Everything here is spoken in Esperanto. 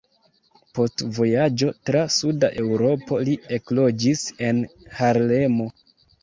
Post vojaĝo tra Suda Eŭropo li ekloĝis en Harlemo.